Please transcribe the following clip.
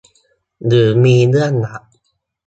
หรือมีเรื่องลับ